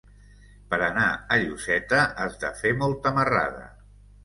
Per anar a Lloseta has de fer molta marrada.